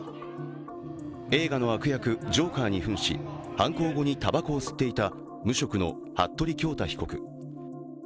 映画の悪役・ジョーカーに扮し犯行後にたばこを吸っていた無職の服部恭太被告。